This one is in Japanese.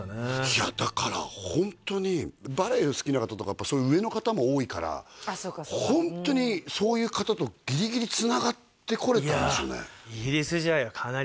いやだからホントにバレエが好きな方とかやっぱそういう上の方も多いからホントにそういう方とギリギリつながってこれたんですよね誰ですか？